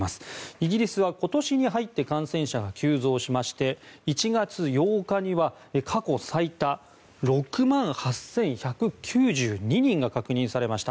イギリスは今年に入って感染者が急増しまして１月８日には過去最多６万８１９２人が確認されました。